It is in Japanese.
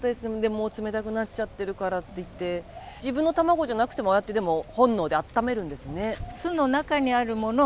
もう冷たくなっちゃってるからっていって自分の卵じゃなくてもああやって本能で温めるんですね？